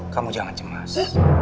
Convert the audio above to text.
kamu jangan cemas